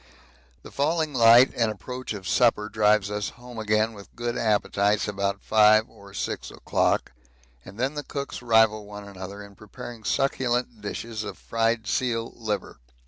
The falling light and approach of supper drives us home again with good appetites about 5 or 6 o'clock, and then the cooks rival one another in preparing succulent dishes of fried seal liver.